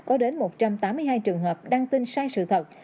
có đến một trăm tám mươi hai trường hợp đăng tin sai sự thật